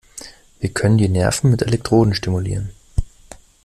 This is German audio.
Wir können die Nerven mit Elektroden stimulieren.